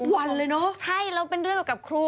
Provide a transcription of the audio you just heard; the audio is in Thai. หันทุกวันเลยเนอะใช่แล้วเป็นเรื่องกับครู